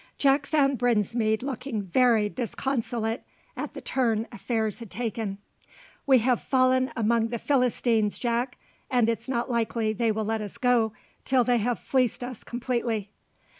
Jack found Brinsmead looking very disconsolate at the turn affairs had taken. "We have fallen among the Philistines, Jack, and it's not likely they will let us go till they have fleeced us completely."